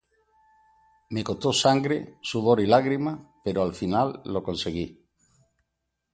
Me costó sangre, sudor y lágrimas pero al final lo conseguí